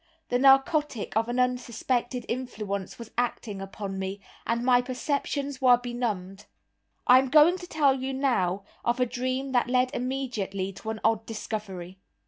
The narcotic of an unsuspected influence was acting upon me, and my perceptions were benumbed. I am going to tell you now of a dream that led immediately to an odd discovery.